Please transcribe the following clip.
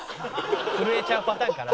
「震えちゃうパターンかな？」